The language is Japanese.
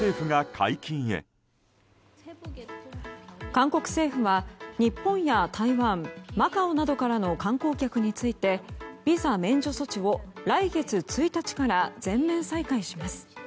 韓国政府は日本や台湾、マカオなどからの観光客についてビザ免除措置を来月１日から全面再開します。